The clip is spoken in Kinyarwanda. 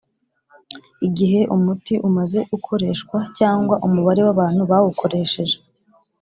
igihe umuti umaze ukoreshwa cg umubare wʼabantu bawukoresheje